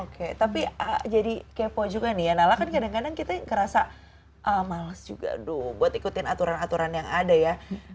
oke tapi jadi kepo juga nih ya nala kan kadang kadang kita ngerasa males juga aduh buat ikutin aturan aturan yang ada ya